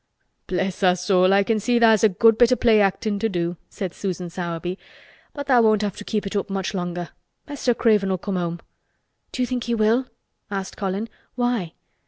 "Bless us all, I can see tha' has a good bit o' play actin' to do," said Susan Sowerby. "But tha' won't have to keep it up much longer. Mester Craven'll come home." "Do you think he will?" asked Colin. "Why?"